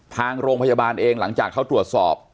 ทางโรงพยาบาลเองหลังจากเขาตรวจสอบ